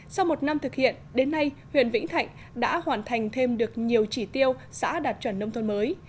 sau một năm thực hiện đến nay huyện vĩnh thạnh đã hoàn thành thêm được nhiều chỉ tiêu xã đạt chuẩn nông thôn mới